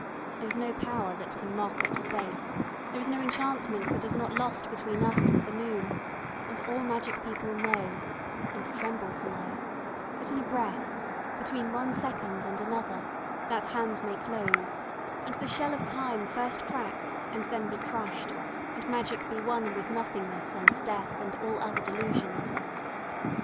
There is no power that can mock at space, there is no enchantment that is not lost between us and the moon, and all magic people know and tremble to know that in a breath, between one second and another, that Hand may close, and the shell of time first crack and then be crushed, and magic be one with nothingness and death and all other delusions.